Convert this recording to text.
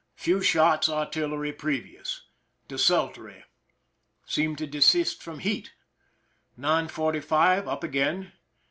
Few shots artillery pre vious. Desultory. Seem to desist from heat. 9 : 45, up again.